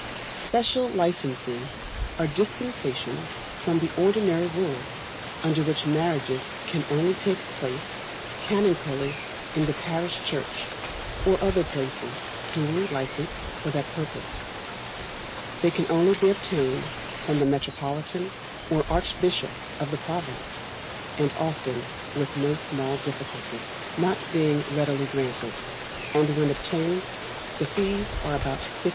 Special licences are dispensations from the ordinary rule, under which marriages can only take place canonically in the parish church, or other places duly licensed for that purpose. They can only be obtained from the Metropolitan or archbishop of the province, and often with no small difficulty, not being readily granted; and when obtained the fees are about £50.